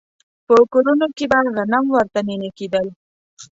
په کورونو کې به غنم ورته نينې کېدل.